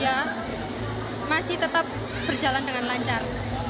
ya masih tetap berjalan dengan lancar